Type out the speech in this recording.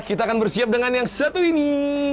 kita akan bersiap dengan yang satu ini